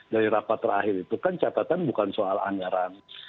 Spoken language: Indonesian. dari rapat terakhir itu kan catatan bukan soal anggaran